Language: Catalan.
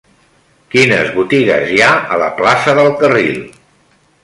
Quines botigues hi ha a la plaça del Carril?